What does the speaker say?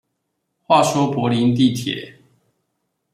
話說柏林地鐵